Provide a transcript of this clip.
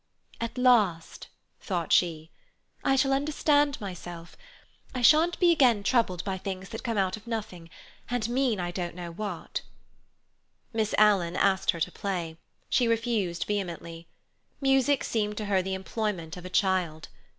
"At last," thought she, "I shall understand myself. I shan't again be troubled by things that come out of nothing, and mean I don't know what." Miss Alan asked her to play. She refused vehemently. Music seemed to her the employment of a child.